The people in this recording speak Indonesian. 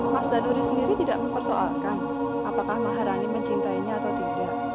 mas danuri sendiri tidak mempersoalkan apakah maharani mencintainya atau tidak